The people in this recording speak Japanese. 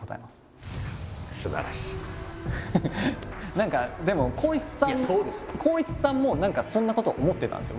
何かでも光一さんも何かそんなことを思ってたんですよ